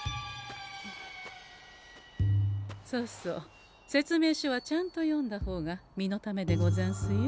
そうそう説明書はちゃんと読んだ方が身のためでござんすよ。